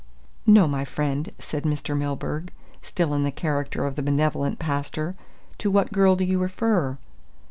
"No, my friend," said Mr. Milburgh, still in the character of the benevolent pastor. "To what girl do you refer?"